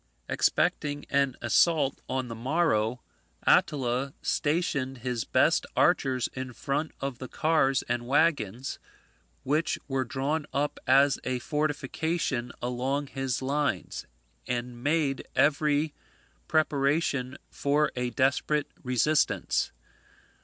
Expecting an assault on the morrow, Attila stationed his best archers in front of the cars and waggons, which were drawn up as a fortification along his lines, and made every preparation for a desperate resistance.